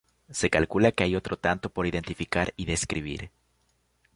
Se calcula que hay otro tanto por identificar y describir.